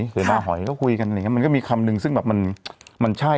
ถือที่มาหอยก็คุยกันอันหลังงั้นมันก็มีคำนึงซึ่งแบบมันมันใช่